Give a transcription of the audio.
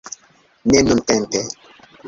Ne nuntempe